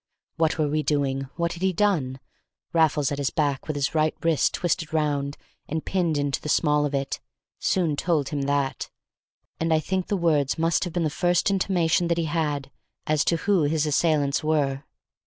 What were we doing? What had he done? Raffles at his back, with his right wrist twisted round and pinned into the small of it, soon told him that, and I think the words must have been the first intimation that he had as to who his assailants were.